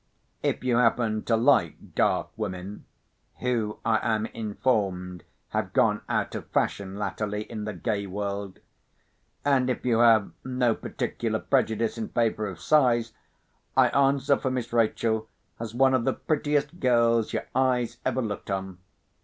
If you happen to like dark women (who, I am informed, have gone out of fashion latterly in the gay world), and if you have no particular prejudice in favour of size, I answer for Miss Rachel as one of the prettiest girls your eyes ever looked on.